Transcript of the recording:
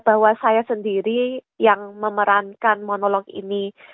bahwa saya sendiri yang memerankan monolong ini